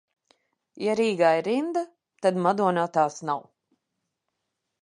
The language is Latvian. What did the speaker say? Ja Rīgā ir rinda, tad Madonā tās nav!